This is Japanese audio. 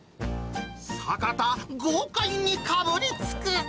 坂田、豪快にかぶりつく。